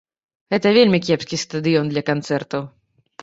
Гэта вельмі кепскі стадыён для канцэртаў.